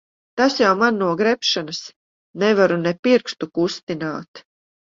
Tas jau man no grebšanas. Nevaru ne pirkstu kustināt.